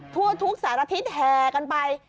ทั่วทุกสารทิศแห่กันไป